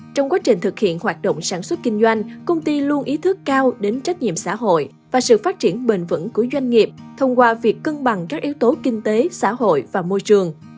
trong quá trình thực hiện hoạt động sản xuất kinh doanh công ty luôn ý thức cao đến trách nhiệm xã hội và sự phát triển bền vững của doanh nghiệp thông qua việc cân bằng các yếu tố kinh tế xã hội và môi trường